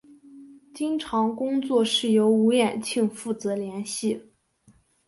经常工作由吴衍庆负责联系。